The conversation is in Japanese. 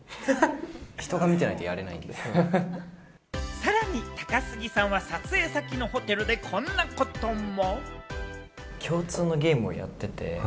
さらに高杉さんは撮影先のホテルでこんなことも。